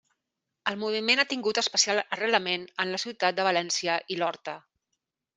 El moviment ha tingut especial arrelament en la ciutat de València i l'Horta.